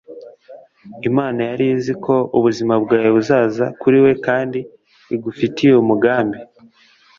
imana yari izi ko ubuzima bwawe buzaza kuri we kandi igufitiye umugambi